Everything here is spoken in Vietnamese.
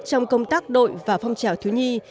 trong công tác đội và phong trào thiếu nhi